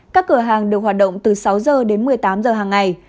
các cửa hàng được hoạt động từ sáu h đến một mươi tám h hàng ngày